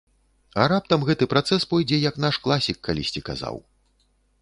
А раптам гэты працэс пойдзе, як наш класік калісьці казаў.